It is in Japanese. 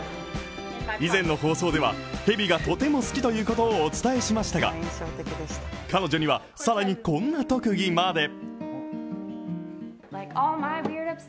以前の放送では、ヘビがとても好きということをお伝えしましたが彼女にはさらにこんな特技まで。